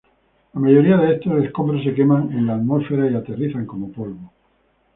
La mayoría de estos escombros se queman en la atmósfera y aterrizan como polvo.